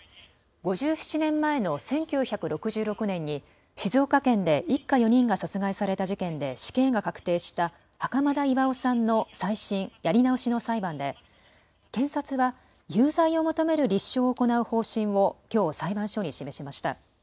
５７年前の１９６６年に静岡県で一家４人が殺害された事件で死刑が確定した袴田巌さんの再審、やり直しの裁判で検察は有罪を求める立証を行う方針をきょう、裁判所に示しました。